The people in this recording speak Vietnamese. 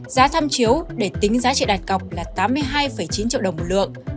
giá tham chiếu để tính giá trị đạt cọc là tám mươi hai chín triệu đồng một lượng